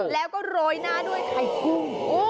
แล้วก็โรยหน้าด้วยไข่กุ้ง